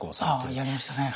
ああやりましたね。